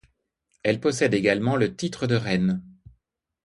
Elle possède également le titre de reine.